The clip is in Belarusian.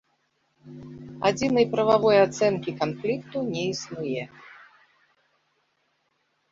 Адзінай прававой ацэнкі канфлікту не існуе.